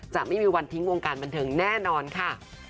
จะไม่มีวันทิ้งวงการบันเทิงแน่นอนค่ะ